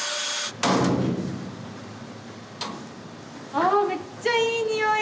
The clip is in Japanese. あめっちゃいい匂い！